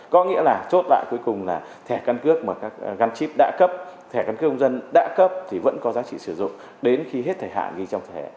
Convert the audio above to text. có nghĩa là chốt lại cuối cùng là thẻ căn cước mà các gắn chip đã cấp thẻ căn cước công dân đã cấp thì vẫn có giá trị sử dụng đến khi hết thời hạn ghi trong thẻ